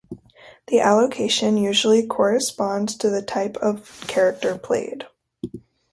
The allocation usually corresponds to the type of character played.